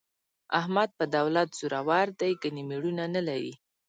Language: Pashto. احمد په دولت زورو دی، ګني مېړونه نه لري.